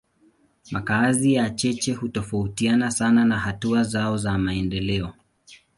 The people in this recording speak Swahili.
Makazi ya cheche hutofautiana sana na hatua zao za maendeleo.